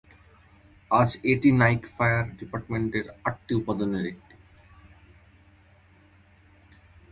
আজ এটি Nike fire ডিপার্টমেন্টের আটটি উপাদানের একটি।